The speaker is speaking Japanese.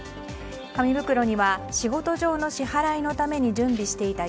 紙袋には仕事上の支払いのために準備していた